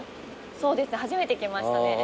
そうですね初めて来ましたね。